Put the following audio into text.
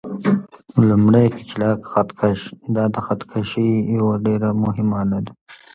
لومړی: کچالک خط کش: دا د خط کشۍ یوه ډېره مهمه آله ده.